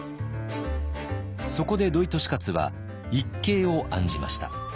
そこで土井利勝は一計を案じました。